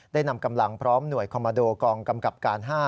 นำกำลังพร้อมหน่วยคอมมาโดกองกำกับการ๕